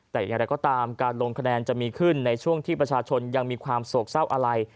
แต่อย่างไรก็ตามการลงคะแนนจะมีขึ้นในช่วงที่ประชาชนยังมีความโศกเศร้าอะไร